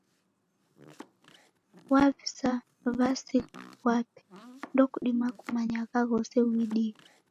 Wavisa w'asi ghwape, ndokudima kumanya agha ghose uidie.